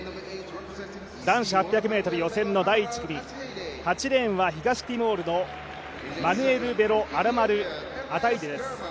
男子８００ｍ予選の第１組８レーンは東ティモールのマヌエル・ベロ・アマラル・アタイデです。